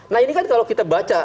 nah ini kan kalau kita baca